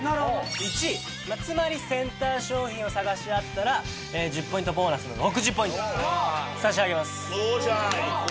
１位つまりセンター商品を探し当てたら１０ポイントボーナスの６０ポイント差し上げます。